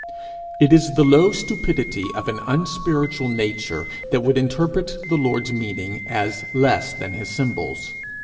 It is the low stupidity of an unspiritual nature that would interpret the Lord's meaning as less than his symbols.